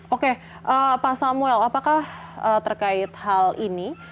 oke pak samuel apakah terkait hal ini